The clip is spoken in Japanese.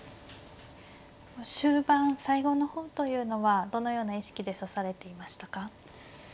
終盤最後の方というのはどのような意識で指されていましたか？